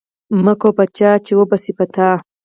مکوه په چا، چي و به سي په تا